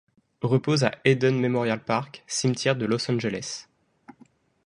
Repose à Eden memorial park cimetière de los angeles.